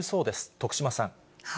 徳島さん。